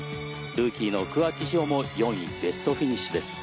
ルーキーの桑木志帆も４位ベストフィニッシュです。